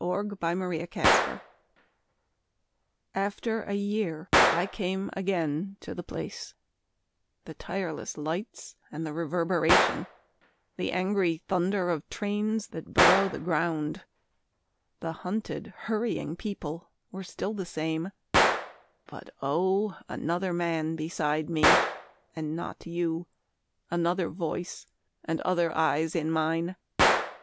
IN A SUBWAY STATION AFTER a year I came again to the place; The tireless lights and the reverberation, The angry thunder of trains that burrow the ground, The hunted, hurrying people were still the same But oh, another man beside me and not you! Another voice and other eyes in mine!